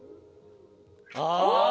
ああ！